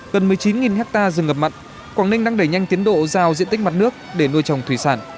gần một mươi chín hectare rừng ngập mặn quảng ninh đang đẩy nhanh tiến độ giao diện tích mặt nước để nuôi trồng thủy sản